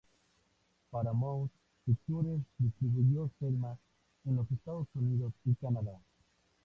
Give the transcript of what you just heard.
Paramount Pictures distribuyó Selma en los Estados Unidos y Canadá.